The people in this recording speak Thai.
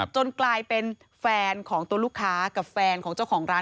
จนกลายเป็นแฟนของตัวลูกค้ากับแฟนของเจ้าของร้าน